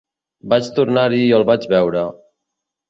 Vaig tornar-hi i el vaig veure